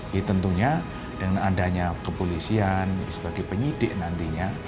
ya tentunya dengan adanya kepolisian sebagai penyidik nantinya